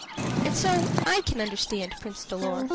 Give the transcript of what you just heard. And so I can understand Prince Dolor.